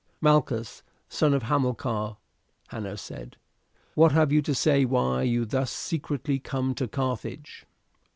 "Malchus, son of Hamilcar," Hanno said, "what have you to say why you thus secretly come to Carthage?"